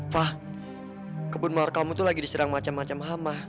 fah kebun mawar kamu tuh lagi diserang macam macam hama